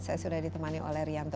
saya sudah ditemani oleh rianto